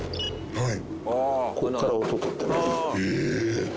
はい。